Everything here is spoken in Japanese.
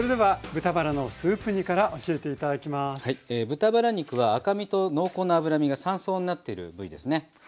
豚バラ肉は赤身と濃厚な脂身が３層になってる部位ですね。